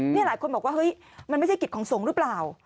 นี่หลายคนบอกว่าเฮ้ยมันไม่ใช่กิจของสงฆ์หรือเปล่า